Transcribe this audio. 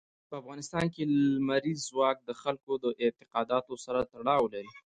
په افغانستان کې لمریز ځواک د خلکو د اعتقاداتو سره تړاو لري.